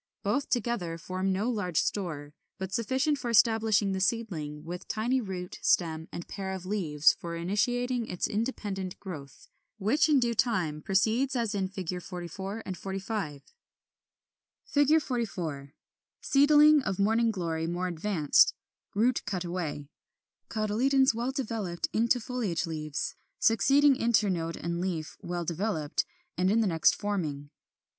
Both together form no large store, but sufficient for establishing the seedling, with tiny root, stem, and pair of leaves for initiating its independent growth; which in due time proceeds as in Fig. 44, 45. [Illustration: Fig. 44. Seedling of Morning Glory more advanced (root cut away); cotyledons well developed into foliage leaves: succeeding internode and leaf well developed, and the next forming.